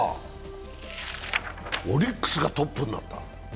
オリックスがトップになった。